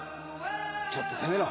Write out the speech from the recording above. ちょっと攻めろ！